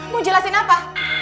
mau jelasin apa